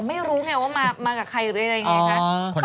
ไม่รู้ไงว่ามากับใครหรืออะไรอย่างนี้ค่ะ